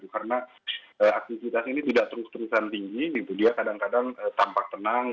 karena aktivitas ini tidak terus terusan tinggi gitu dia kadang kadang tampak tenang